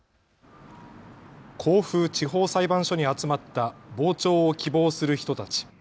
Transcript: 甲府地方裁判所に集まった傍聴を希望する人たち。